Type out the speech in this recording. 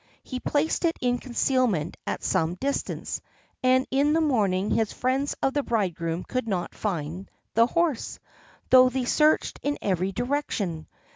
He placed it in concealment at some distance, and in the morning the friends of the bridegroom could not find the horse, though they searched in every direction.